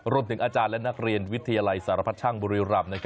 รวมถึงอาจารย์และนักเรียนวิทยาลัยสารพัดช่างบุรีรำ